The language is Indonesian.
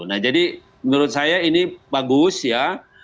nah jadi menurut saya ini bagus ya